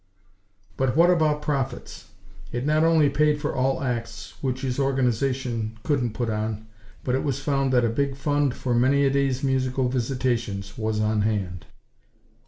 But what about profits? It not only paid for all acts which his Organization couldn't put on, but it was found that a big fund for many a day's musical visitations, was on hand.